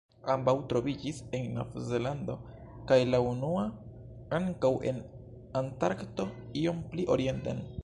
Ambaŭ troviĝis en Novzelando, kaj la unua ankaŭ en Antarkto iom pli orienten.